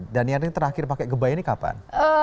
danian yang terakhir pakai kebaya ini kapan